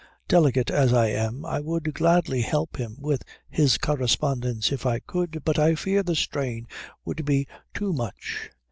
Delicate as I am, I would gladly help him with his correspondence if I could, but I fear the strain would be too much.